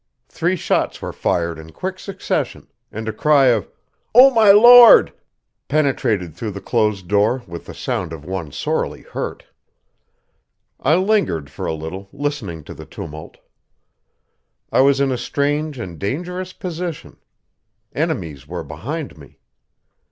Three shots were fired in quick succession, and a cry of "Oh, my Lord!" penetrated through the closed door with the sound of one sorely hurt. I lingered for a little, listening to the tumult. I was in a strange and dangerous position. Enemies were behind me.